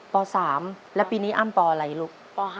ป๓แล้วปีนี้อ้ำปอะไรลูกป๕